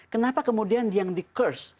kenapa kemudian dia yang di curse